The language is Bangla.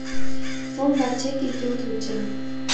ফোন বাজছে কিন্তু ও ধরছে না।